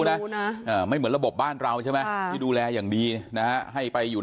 นะไม่เหมือนระบบบ้านเราใช่ไหมที่ดูแลอย่างดีนะให้ไปอยู่